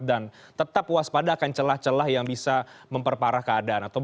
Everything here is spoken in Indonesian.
dan tetap waspada akan celah celah yang bisa memperparah keadaan